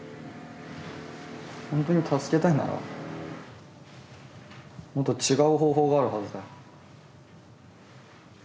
本当に助けたいならもっと違う方法があるはずだよ。